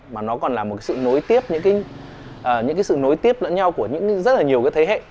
mà nó còn là một sự nối tiếp những sự nối tiếp lẫn nhau của rất nhiều thế hệ